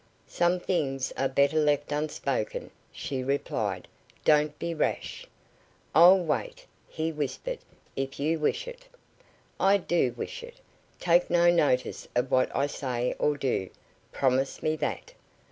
"Some things are better left unspoken," she replied. "Don't be rash." "I'll wait." he whispered, "if you wish it." "I do wish it. Take no notice of what I say or do. Promise me that."